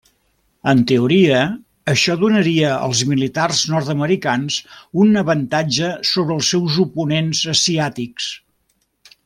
En teoria, això donaria als militars nord-americans un avantatge sobre els seus oponents asiàtics.